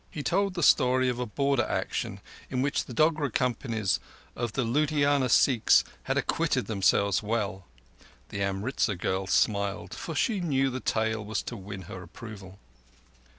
He told the story of a Border action in which the Dogra companies of the Ludhiana Sikhs had acquitted themselves well. The Amritzar girl smiled; for she knew the talk was to win her approval.